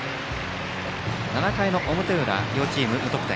７回の表裏、両チーム無得点。